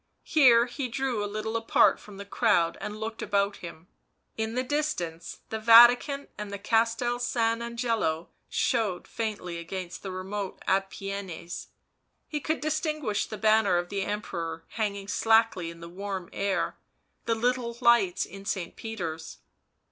Here he drew a little apart from the crowd and looked about him; in the distance the Vatican and Castel San Angelo showed faintly against the remote Apennines ; he could distinguish the banner of the Emperor hanging slackly in the warm air, the little lights in St. Peter's.